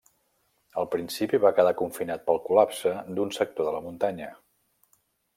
Al principi, va quedar confinat pel col·lapse d'un sector de la muntanya.